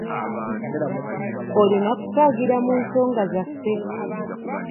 Olina kusaagira mu nsonga zaffe.